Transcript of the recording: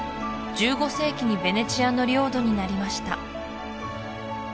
１５世紀にヴェネツィアの領土になりました